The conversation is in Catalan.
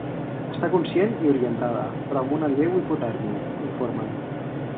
Està conscient i orientada, però amb una lleu hipotèrmia, informen.